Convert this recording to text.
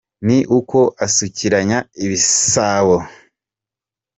Ni uko asukiranya ibisabo.